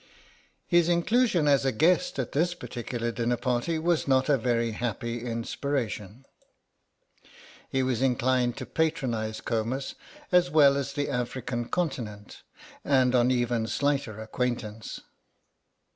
His inclusion as a guest at this particular dinner party was not a very happy inspiration. He was inclined to patronise Comus, as well as the African continent, and on even slighter acquaintance.